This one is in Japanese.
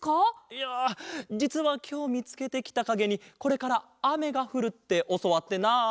いやじつはきょうみつけてきたかげにこれからあめがふるっておそわってなあ。